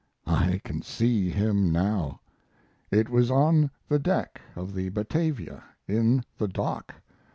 I can see him now. It was on the deck of the Batavia, in the dock.